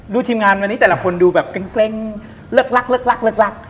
ดูทีมงานวันนี้แต่ละคนดูแบบเกร็งเลิกลัก